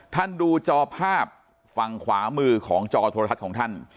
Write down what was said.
ท่านดูจอภาพฝั่งขวามือของจอโทรทัศน์ของท่าน